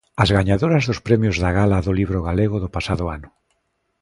As gañadoras dos Premios da Gala do Libro Galego do pasado ano.